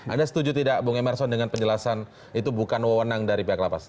anda setuju tidak bung emerson dengan penjelasan itu bukan wewenang dari pihak lapas